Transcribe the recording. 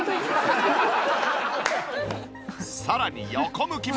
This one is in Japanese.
さらに横向きも。